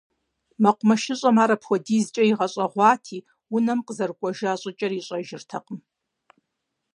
МэкъумэшыщӀэм ар апхуэдизкӀэ игъэщӀэгъуати, унэм къызэрыкӀуэжа щӀыкӀэр ищӀэжыртэкъым.